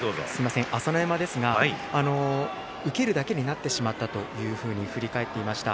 朝乃山ですが受けるだけになってしまったというふうに振り返っていました。